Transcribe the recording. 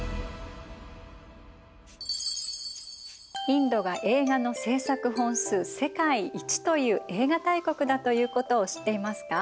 インドが映画の製作本数世界一という映画大国だということを知っていますか？